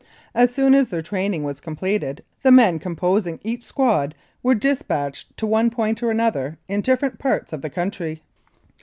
As soon as their training was completed, the men composing each squad were dis patched to one point or another in different parts of the country.